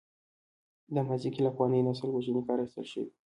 دا ماضي کې له افغاني نسل وژنې کار اخیستل شوی.